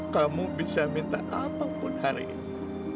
kamu bisa minta apapun hari ini